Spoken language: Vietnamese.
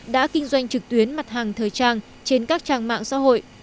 đã kinh doanh trực tuyến mặt hàng thời trang trên các trang mạng xã hội